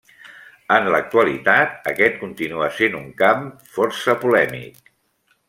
En l'actualitat, aquest continua sent un camp força polèmic.